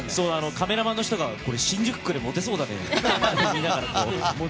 カメラマンの人が新宿区でモテそうだねって。